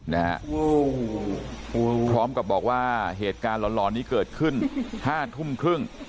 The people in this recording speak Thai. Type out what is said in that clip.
เนี่ยฮะโอ้วโอ้วพร้อมกับบอกว่าเหตุการณ์หลอนหลอนนี้เกิดขึ้นห้าทุ่มครึ่ง